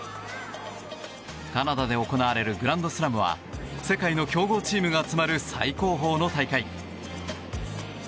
カナダで行われるグランドスラムは世界の強豪チームが集まる最高峰の大会。